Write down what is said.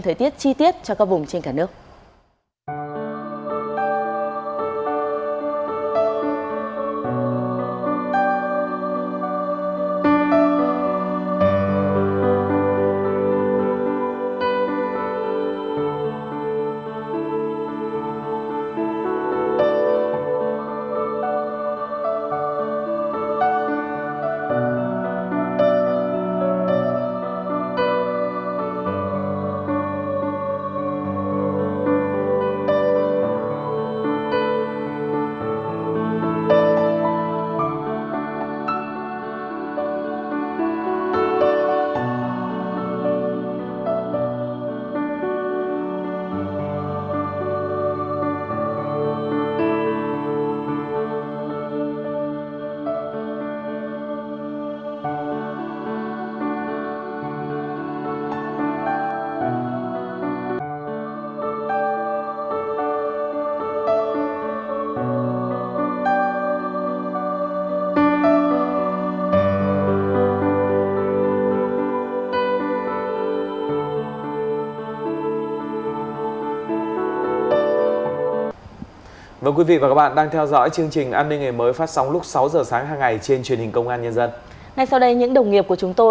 thời tiết chi tiết cho các vùng trên cả nước